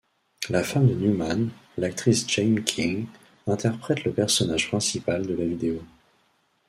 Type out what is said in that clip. La femme de Newman, l'actrice Jaime King, interprète le personnage principal de la vidéo.